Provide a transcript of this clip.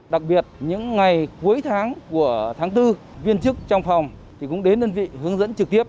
đặc biệt những ngày cuối tháng của tháng bốn viên chức trong phòng cũng đến đơn vị hướng dẫn trực tiếp